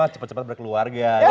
cepet cepet berkeluarga gitu ya